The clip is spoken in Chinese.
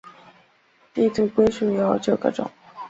地图龟属有九个种。